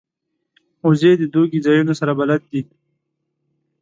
وزې د دوږی ځایونو سره بلد دي